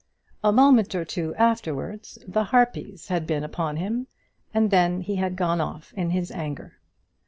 A moment or two afterwards the harpies had been upon him, and then he had gone off in his anger.